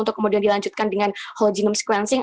untuk kemudian dilanjutkan dengan whole genome sequencing